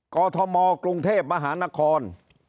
กอทมกรุงเทพมหานคร